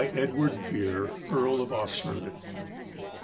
Edward Vere, Earl of Oxford.